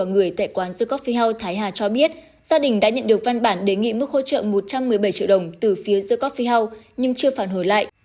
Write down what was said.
gia đình đã nhận được văn bản đề nghị mức hỗ trợ một trăm một mươi bảy triệu đồng từ phía the coffee house nhưng chưa phản hồi lại